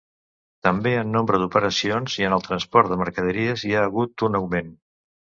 També en nombre d'operacions i en el transport de mercaderies hi ha hagut un augment.